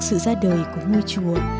sự ra đời của người này